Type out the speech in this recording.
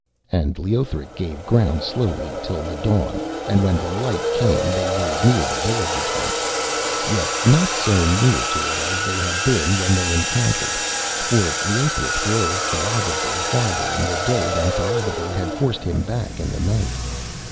And Leothric gave ground slowly till the dawn, and when the light came they were near the village again; yet not so near to it as they had been when they encountered, for Leothric drove Tharagavverug farther in the day than Tharagavverug had forced him back in the night.